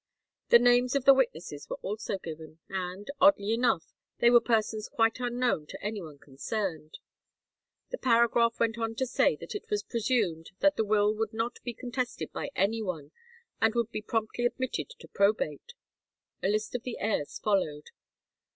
The names of the witnesses were also given, and, oddly enough, they were persons quite unknown to any one concerned. The paragraph went on to say that it was presumed that the will would not be contested by any one, and would be promptly admitted to probate. A list of the heirs followed.